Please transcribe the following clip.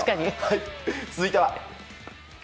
続いては。